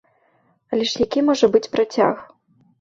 Але ж які можа быць працяг?